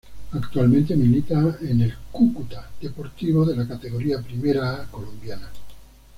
Actualmente milita en el Cúcuta Deportivo de la Categoría Primera A colombiana.